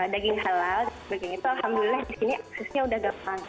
daging halal dan sebagainya itu alhamdulillah disini aksesnya udah gampang